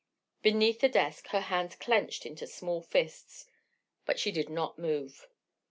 Beneath the desk her hands clenched into small fists. But she did not move.